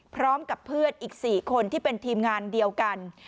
พร้อมกับเพื่อนอีก๔คนที่เป็นทีมงานเดียวกัน